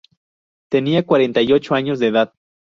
Tenía cuarenta y ocho años de edad.